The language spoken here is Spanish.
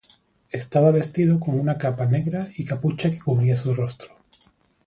Estaba vestido con una capa negra y capucha que cubría su rostro.